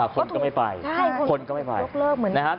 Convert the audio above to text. คนก็ไม่ไปยกเลิกเหมือนนี้